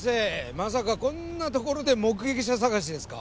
まさかこんな所で目撃者探しですか？